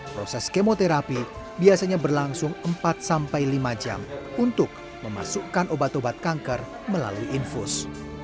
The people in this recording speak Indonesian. proses kemoterapi biasanya berlangsung empat sampai lima jam untuk memasukkan obat obat kanker melalui infus